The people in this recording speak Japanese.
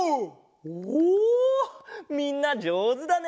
おおみんなじょうずだね！